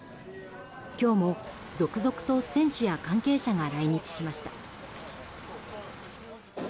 今日も続々と選手や関係者が来日しました。